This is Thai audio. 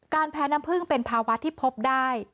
แพ้น้ำพึ่งเป็นภาวะที่พบได้